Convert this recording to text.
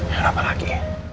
ya kenapa lagi